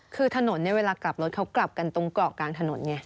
คือถนนเนี่ยเวลากลับรถเขากลับกันตรงเกาะกลางถนนไง